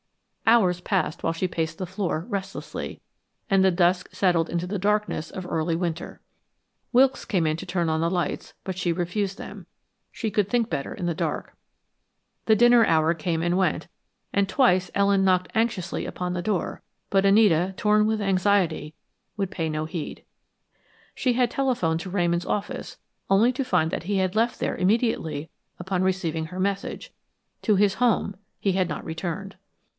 Hours passed while she paced the floor, restlessly, and the dusk settled into the darkness of early winter. Wilkes came to turn on the lights, but she refused them she could think better in the dark. The dinner hour came and went and twice Ellen knocked anxiously upon the door, but Anita, torn with anxiety, would pay no heed. She had telephoned to Ramon's office, only to find that he had left there immediately upon receiving her message; to his home he had not returned.